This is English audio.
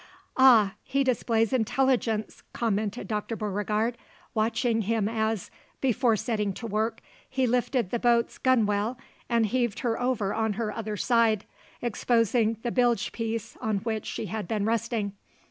"Ah, he displays intelligence!" commented Dr. Beauregard, watching him as, before setting to work, he lifted the boat's gunwale and heaved her over on her other side, exposing the bilgepiece on which she had been resting.